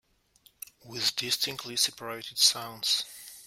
With distinctly separated sounds.